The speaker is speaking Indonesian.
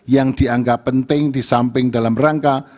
yang dianggap penting di samping dalam rangka